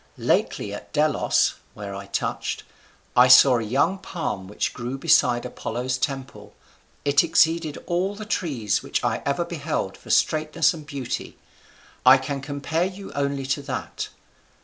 Lately at Delos (where I touched) I saw a young palm which grew beside Apollo's temple; it exceeded all the trees which ever I beheld for straightness and beauty: I can compare you only to that.